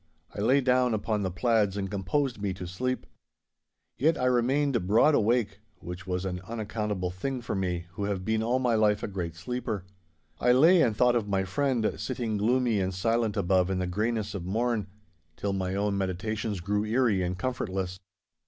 I lay down upon the plaids and composed me to sleep. Yet I remained broad awake, which was an unaccountable thing for me, who have been all my life a great sleeper. I lay and thought of my friend, sitting gloomy and silent above in the greyness of morn, till my own meditations grew eerie and comfortless.